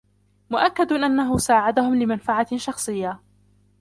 مؤكّدٌ أنه ساعدهم لمنفعة شخصية.